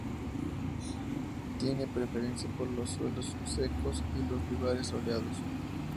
Tiene preferencia por los suelos secos y los lugares soleados.